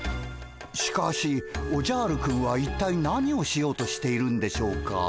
しかしおじゃるくんは一体何をしようとしているんでしょうか。